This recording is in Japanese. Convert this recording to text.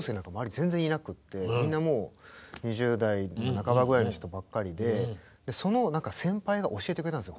全然いなくてみんなもう２０代半ばぐらいの人ばっかりでその先輩が教えてくれたんですよ。